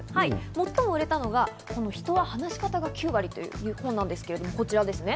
最も売れたのが『人は話し方が９割』という本なんですけれども、こちらですね。